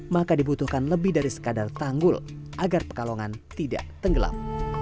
maka dibutuhkan lebih dari sekadar tanggul agar pekalongan tidak tenggelam